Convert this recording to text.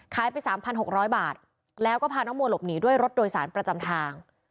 ไป๓๖๐๐บาทแล้วก็พาน้องมัวหลบหนีด้วยรถโดยสารประจำทาง